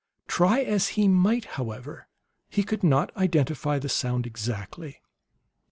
Try as he might, however, he could not identify the sound exactly.